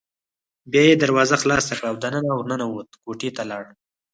بیا یې دروازه خلاصه کړه او دننه ور ننوت، کوټې ته لاړ.